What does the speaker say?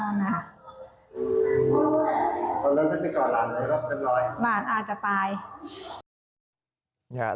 แล้วจะไปกอดหลานไว้หรือเป็นรอยหลานอาจจะตาย